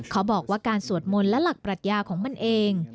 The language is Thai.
เขาบอกว่าการสวดมนต์และหลักปรัชญาของมันเอง